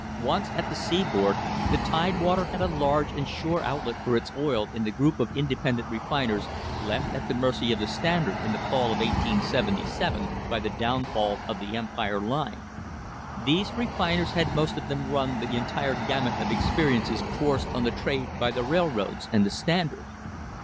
Once at the seaboard, the Tidewater had a large and sure outlet for its oil in the group of independent refiners left at the mercy of the Standard in the fall of 1877 by the downfall of the Empire Line. These refiners had most of them run the entire gamut of experiences forced on the trade by the railroads and the Standard.